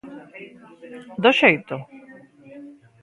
¿Do xeito?